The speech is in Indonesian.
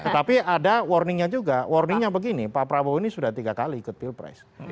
tapi ada warningnya juga warningnya begini pak prabowo ini sudah tiga kali ikut pilpres